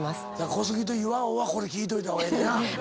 小杉と岩尾はこれ聞いといた方がええねんな。